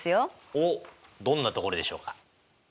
おっどんなところでしょうか？